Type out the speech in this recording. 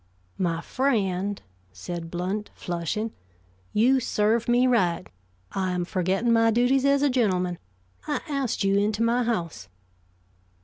"My friend," said Blount, flushing. "You serve me right. I am forgetting my duties as a gentleman. I asked you into my house."